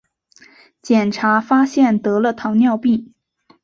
检查发现得了糖尿病